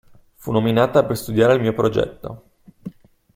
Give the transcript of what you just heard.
Fu nominata per studiare il mio progetto.